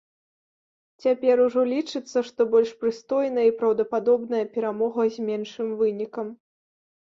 Цяпер ужо лічыцца, што больш прыстойная і праўдападобная перамога з меншым вынікам.